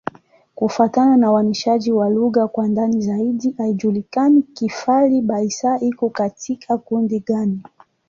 Kufuatana na uainishaji wa lugha kwa ndani zaidi, haijulikani Kifali-Baissa iko katika kundi gani.